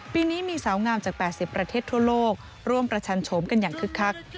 ปีนี้มีสาวงามจาก๘๐ประเทศทั่วโลกร่วมประชันโฉมกันอย่างคึกคัก